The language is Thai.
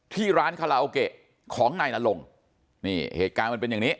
ที่ร้านคาราโอเกะของนายนรงค์นี่เหตุการณ์มันเป็นอย่างนี้